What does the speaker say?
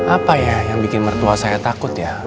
apa ya yang bikin mertua saya takut ya